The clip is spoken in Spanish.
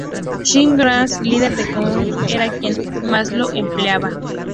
Chiang Kai-shek, líder del Kuomintang, era quien más lo empleaba.